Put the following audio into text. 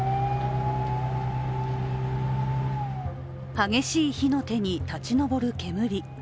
激しい火の手に立ち上る煙。